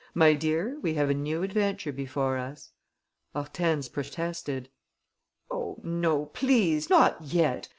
My dear, we have a new adventure before us." Hortense protested: "Oh, no, please, not yet!...